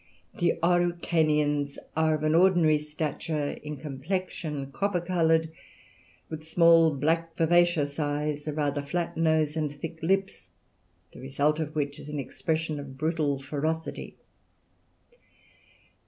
The Araucanians are of an ordinary stature, in complexion copper coloured, with small, black, vivacious eyes, a rather flat nose, and thick lips; the result of which is an expression of brutal ferocity.